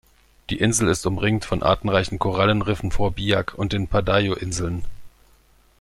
Die Insel ist umringt von artenreichen Korallenriffen vor Biak und den Padaio-Inseln.